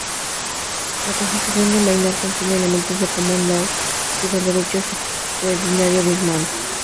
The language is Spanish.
La constitución de Myanmar contiene elementos del Common Law y del derecho consuetudinario birmano.